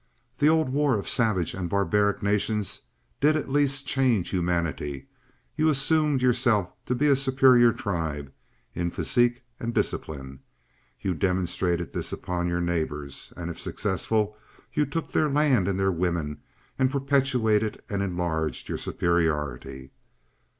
The old war of savage and barbaric nations did at least change humanity, you assumed yourselves to be a superior tribe in physique and discipline, you demonstrated this upon your neighbors, and if successful you took their land and their women and perpetuated and enlarged your superiority.